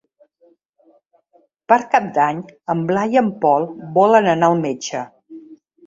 Per Cap d'Any en Blai i en Pol volen anar al metge.